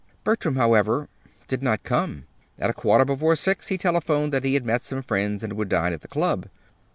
Bertram, however, did not come. At a quarter before six he telephoned that he had met some friends, and would dine at the club.